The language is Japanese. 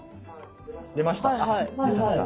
出ました。